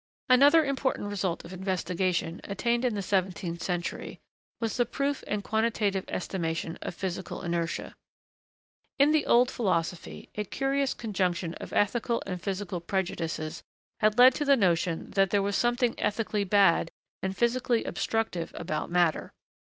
Another important result of investigation, attained in the seventeenth century, was the proof and quantitative estimation of physical inertia. In the old philosophy, a curious conjunction of ethical and physical prejudices had led to the notion that there was something ethically bad and physically obstructive about matter.